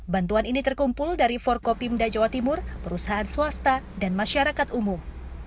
bantuan ini terkumpul dari forkopimda jawa timur perusahaan swasta dan masyarakat umum